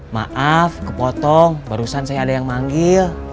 maaf kepotong barusan saya ada yang manggil